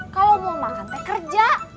kalau mau makan teh kerja